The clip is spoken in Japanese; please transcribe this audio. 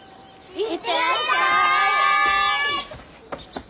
行ってらっしゃい！